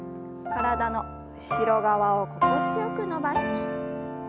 体の後ろ側を心地よく伸ばして。